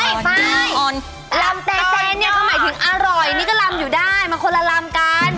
โฮ้ยป้ายลำแต๊ะเขาหมายถึงอร่อยเนี่ยก็ลำอยู่ได้มาคนละลำกัน